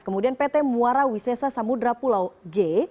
kemudian pt muara wisesa samudera pulau g